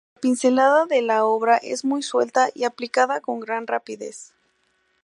La pincelada de la obra es muy suelta y aplicada con gran rapidez.